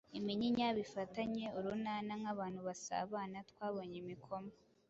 iminyinya bifatanye urunana nk’abantu basabana. Twabonye imikoma